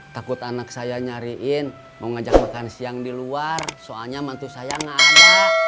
takut anak saya nyariin mau ngajak makan siang di luar soalnya mantu sayangan